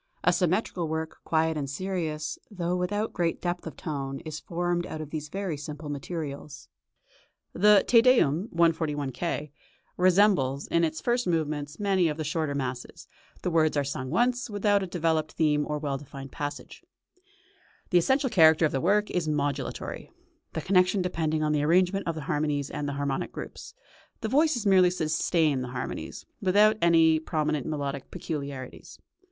A symmetrical work, quiet and serious, though without great depth of tone, is formed out of these very simple materials. The "Te Deum" (141 K.) resembles in its first movements many of the shorter masses; the words are sung once, without a developed theme or well defined passages. The essential character of the work is modulatory, the connection depending on the arrangement of the harmonies and the harmonic groups; the voices merely sustain the harmonies, without any prominent melodic peculiarities.